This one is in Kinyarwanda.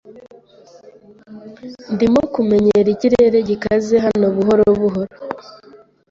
Ndimo kumenyera ikirere gikaze hano buhoro buhoro.